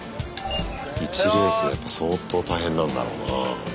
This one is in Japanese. １レースでやっぱ相当大変なんだろうなぁ。